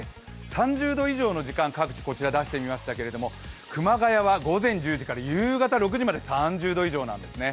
３０度以上の時間、各地こちら出してみましたけれども熊谷は午前１０時から夕方６時まで３０度以上なんですね。